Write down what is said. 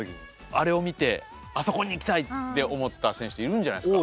あれを見てあそこに行きたいって思った選手っているんじゃないですか？